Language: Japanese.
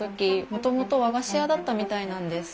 もともと和菓子屋だったみたいなんです。